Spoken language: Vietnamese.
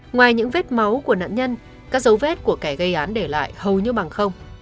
ngoài những vết máu của nạn nhân các dấu vết của kẻ gây án để lại hầu như bằng không